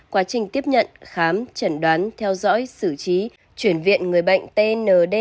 quá trình tiếp nhận khám chẩn đoán theo dõi xử trí chuyển viện người bệnh tnd